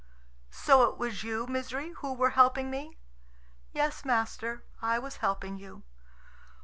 "So it was you, Misery, who were helping me?" "Yes, master, I was helping you."